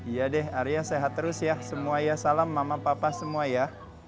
iya deh arya sehat terus ya semua ya salam mama papa semua ya